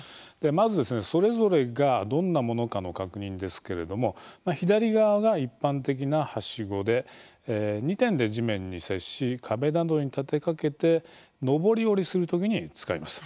まず、それぞれがどんなものかの確認ですけれども左側が一般的な、はしごで２点で地面に接し壁などに立てかけて昇り降りする時に使います。